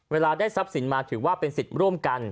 เวลาได้ทรัพย์สินมาถือว่าเป็นสิทธิ์ร่วมกัน